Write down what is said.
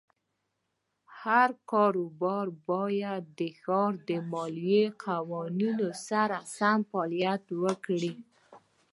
هر کاروبار باید د ښار د مالیې قوانینو سره سم فعالیت وکړي.